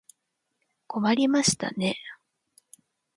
困りましたね。